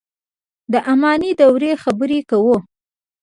د اماني دورې خبره کوو.